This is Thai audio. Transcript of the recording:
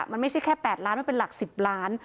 มันไม่ใช่แค่๘ล้านมันเป็นหลัก๑๐ล้าน